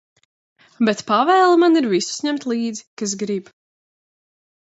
Bet pavēle man ir visus ņemt līdzi, kas grib.